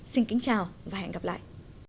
xin kính chào và hẹn gặp lại